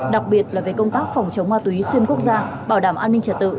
đặc biệt là về công tác phòng chống ma túy xuyên quốc gia bảo đảm an ninh trật tự